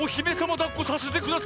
だっこさせてください。